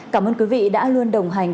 cảm ơn quý vị đã luôn đồng hành